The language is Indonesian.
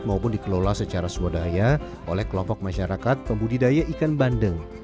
maupun dikelola secara swadaya oleh kelompok masyarakat pembudidaya ikan bandeng